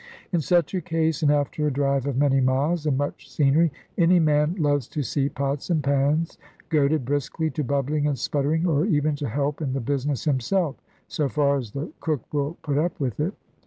In such a case, and after a drive of many miles and much scenery, any man loves to see pots and pans goaded briskly to bubbling and sputtering, or even to help in the business himself, so far as the cook will put up with it.